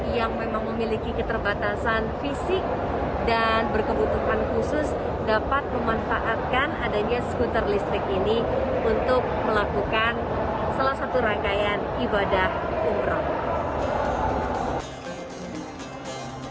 yang memang memiliki keterbatasan fisik dan berkebutuhan khusus dapat memanfaatkan adanya skuter listrik ini untuk melakukan salah satu rangkaian ibadah umroh